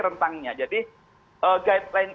rentangnya jadi guideline